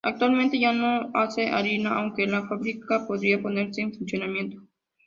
Actualmente ya no se hace harina, aunque la fábrica podría ponerse en funcionamiento.